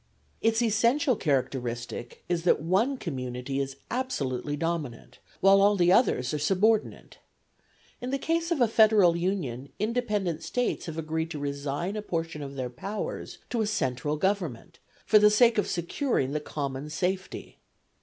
Its essential characteristic is that one community is absolutely dominant while all the others are subordinate. In the case of a federal union independent States have agreed to resign a portion of their powers to a central Government for the sake of securing the common safety.